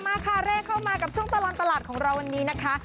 มาค่ะเลขเข้ามากับช่วงตลอดตลาดของเราวันนี้นะคะ